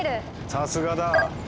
さすがだ！